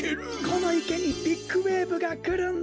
このいけにビッグウエーブがくるんだ！